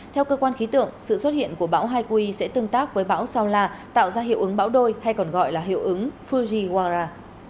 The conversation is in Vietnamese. theo cơ quan khí tượng sự xuất hiện của bão haikui sẽ tương tác với bão sao la tạo ra hiệu ứng bão đôi hay còn gọi là hiệu ứng fujiwara